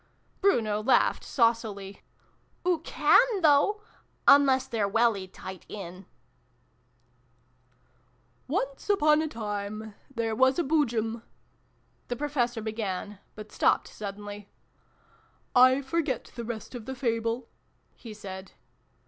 Bruno laughed saucily. " Oo can, though ! Unless they're welly tight in." 396 SYLVIE AND BRUNO CONCLUDED. " Once upon a time there was a Boojum the Professor began, but stopped suddenly. " I forget the rest of the Fable," he said.